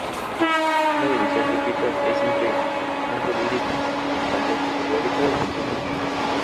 Una división típica es entre canto lírico, canción folclórica y canción popular.